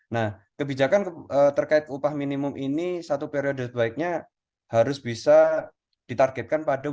nah kebijakan terkait upah minimum ini satu periode sebaiknya harus bisa ditargetkan pada